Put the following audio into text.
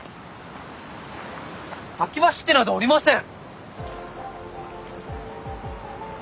先走ってなどおりません。